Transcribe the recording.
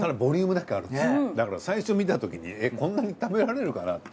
だから最初見たときにえっこんなに食べられるかなって。